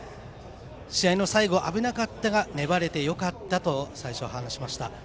試合の最後、危なかったが粘れてよかったと最初に話しました。